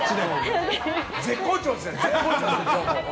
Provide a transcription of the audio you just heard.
絶好調ですね。